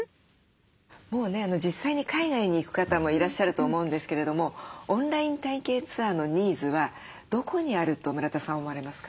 もうね実際に海外に行く方もいらっしゃると思うんですけれどもオンライン体験ツアーのニーズはどこにあると村田さん思われますか？